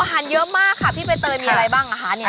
อาหารเยอะมากค่ะพี่ใบเตยมีอะไรบ้างอ่ะคะเนี่ย